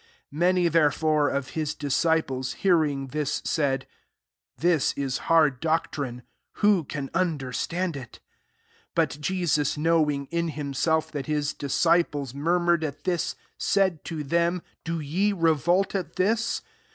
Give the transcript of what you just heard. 60 Many, therefore, of his disciples, hearing ifuM^ said, " This is hard doctrine : ivho can understand it?" 61 But Jesus, knowing, in himself, that his disciples murmured at this, said to them, *' Do ye revolt at this